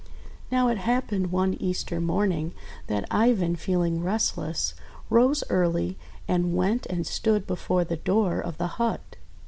Now it happened one Easter morning that Ivan, feeling restless, rose early and went and stood before the door of the hut.